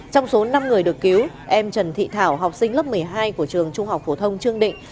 trong số năm người được cứu em trần thị thảo học sinh lớp một mươi hai của trường trung học phổ thông trương định